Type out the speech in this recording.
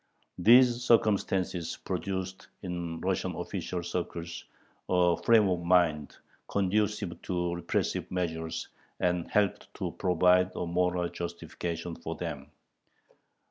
These circumstances produced in Russian official circles a frame of mind conducive to repressive measures, and helped to provide a moral justification for them.